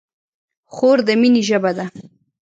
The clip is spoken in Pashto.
خور د مینې ژبه ده.